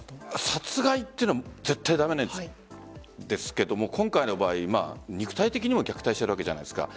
殺害は駄目なんですけど今回の場合、肉体的にも虐待しているわけじゃないですか。